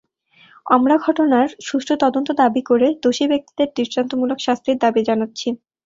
আমরা ঘটনার সুষ্ঠু তদন্ত দাবি করে দোষী ব্যক্তিদের দৃষ্টান্তমূলক শাস্তির দাবি জানাচ্ছি।